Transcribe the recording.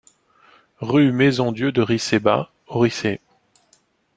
Rue Maison Dieu de Ricey Bas aux Riceys